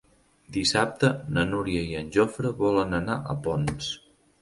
Dissabte na Núria i en Jofre volen anar a Ponts.